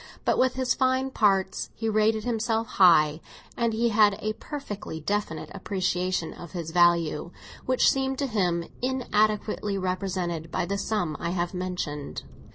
But with his fine parts he rated himself high, and he had a perfectly definite appreciation of his value, which seemed to him inadequately represented by the sum I have mentioned.